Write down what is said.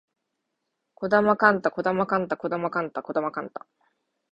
児玉幹太児玉幹太児玉幹太